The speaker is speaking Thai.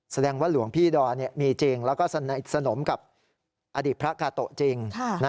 แสดงว่าหลวงพี่ดอนมีจริงแล้วก็สนิทสนมกับอดีตพระกาโตะจริง